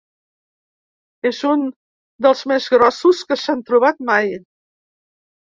És un dels més grossos que s’han trobat mai.